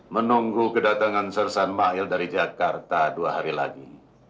menunggu kedatangan sersanmail dari jakarta dua hari lagi